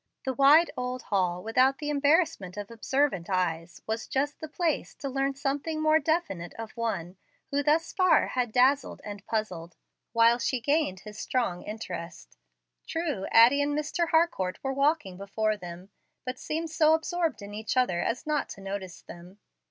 The wide old hall, without the embarrassment of observant eyes, was just the place to learn something more definite of one who thus far had dazzled and puzzled, while she gained his strong interest. True, Addie and Mr. Harcourt were walking before them, but seemed so absorbed in each other as not to notice them.